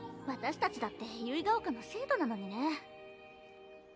私たちだって結ヶ丘の生徒なのにね。